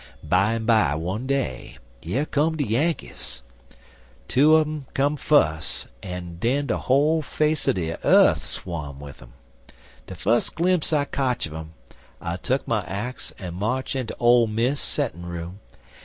"Bimeby one day, yer come de Yankees. Two un um come fus, en den de whole face er de yeath swawm'd wid um. De fus glimpse I kotch un um, I tuck my axe en march inter Ole Miss settin' room.